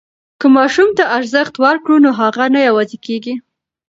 که ماسوم ته ارزښت ورکړو نو هغه نه یوازې کېږي.